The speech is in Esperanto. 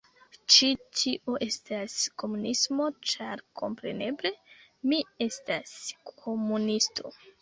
Ĉi tio estas komunismo ĉar, kompreneble, mi estas komunisto